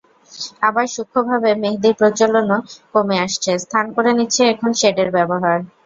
আবার সূক্ষ্মভাবে মেহেদির প্রচলনও কমে আসছে, স্থান করে নিচ্ছে এখন শেডের ব্যবহার।